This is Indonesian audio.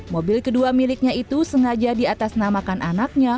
mobil kedua miliknya itu sengaja diatasnamakan anaknya